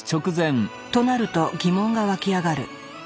となると疑問がわき上がる。